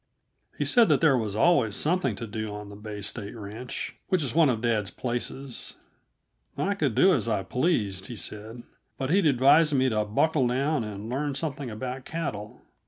He said that there was always something to do on the Bay State Ranch which is one of dad's places. I could do as I pleased, he said, but he'd advise me to buckle down and learn something about cattle.